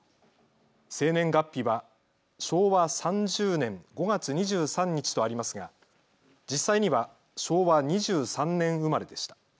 生年月日は昭和３０年５月２３日とありますが実際には昭和２３年生まれでした。